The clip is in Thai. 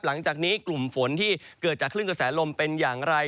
หลังจากนี้กลุ่มฝนที่เกิดจากคลื่นกระแสลมเป็นอย่างไร